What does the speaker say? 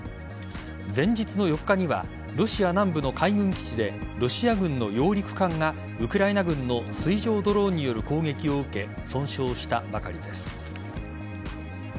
前日の４日にはロシア南部の海軍基地でロシア軍の揚陸艦がウクライナ軍の水上ドローンによる攻撃を受け損傷したばかりです。